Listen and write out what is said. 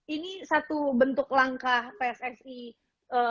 ini satu bentuk langkahnya